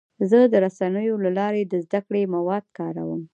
زه د رسنیو له لارې د زده کړې مواد کاروم.